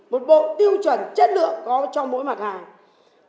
một bộ tiêu chuẩn chất lượng có trong mỗi mặt hàng